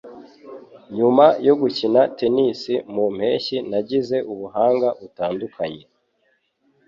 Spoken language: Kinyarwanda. Nyuma yo gukina tennis mu mpeshyi nagize ubuhanga butandukanye